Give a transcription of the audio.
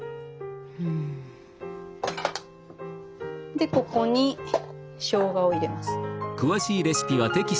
でここにしょうがを入れます。